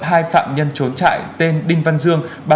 hai phạm nhân trốn trại tên đinh văn dương